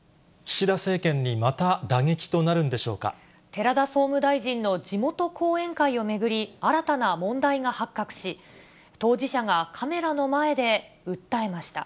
岸田政権にまた打撃となるん寺田総務大臣の地元後援会を巡り、新たな問題が発覚し、当事者がカメラの前で訴えました。